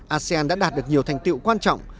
asean đã đạt được nhiều thành tiệu quan trọng